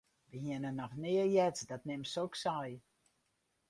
Wy hiene noch nea heard dat mem soks sei.